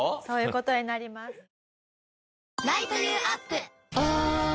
そういう事になります。